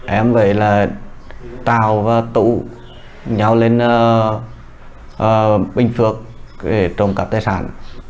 em với là tào và tụ nhau lên bình phước để trồng cặp tài sản